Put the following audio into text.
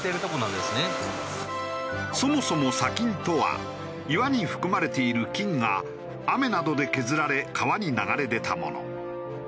そもそも砂金とは岩に含まれている金が雨などで削られ川に流れ出たもの。